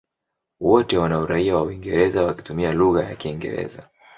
Wote wana uraia wa Uingereza wakitumia lugha ya Kiingereza.